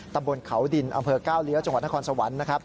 ตำบลเขาดินอำเภอก้าวเลี้ยวจพสวรรค์